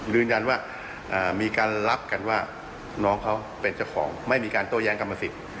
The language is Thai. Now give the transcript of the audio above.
ยืนยันว่ามีการรับกันว่าน้องเขาเป็นเจ้าของไม่มีการโต้แย้งกรรมสิทธิ์